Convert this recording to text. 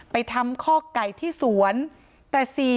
ไปทำขอกไก่ที่สวนแต่๔โมงเย็น